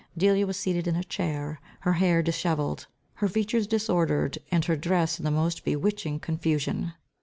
Delia was seated in a chair, her hair dishevelled, her features disordered, and her dress in the most bewitching confusion.